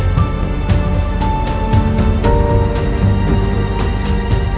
โปรดติดตามตอนต่อไป